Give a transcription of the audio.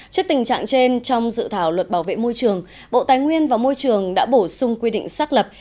trước tình trạng trên trong dự thảo luật bảo vệ môi trường bộ tài nguyên và môi trường đã bổ sung quy định xác lập